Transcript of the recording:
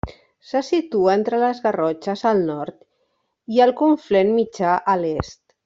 Se situa entre les Garrotxes al nord i el Conflent Mitjà a l'est.